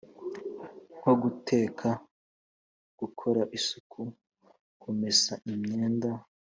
nko guteka, gukora isuku, kumesa imyenda